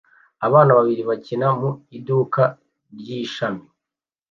Abana babiri bakina mu iduka ryishami